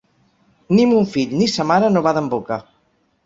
Ni mon fill ni sa mare no baden boca.